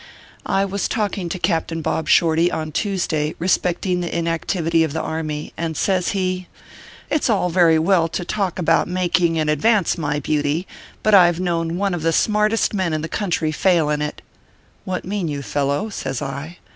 I was talking to Captain Bob Shorty, on Tuesday, respecting the inactivity of the army, and says he :" It s all very well to talk about making an advance, my beauty ; but I ve known one of the smartest men in the country to fail in it." " What mean you, fellow ?" says I.